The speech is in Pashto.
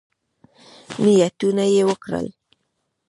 نیتونه یې وکړل.